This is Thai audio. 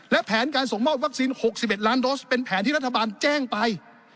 และแผนการส่งมอบวัคซีน๖๑ล้านโดสเป็นแผนที่รัฐบาลแจ้งไป